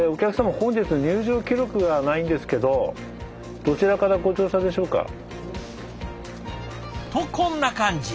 本日入場記録がないんですけどどちらからご乗車でしょうか？とこんな感じ。